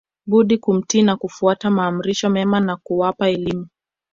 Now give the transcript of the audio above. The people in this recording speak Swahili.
budi kumtii na kufuata maamrisho mema na kuwapa elimu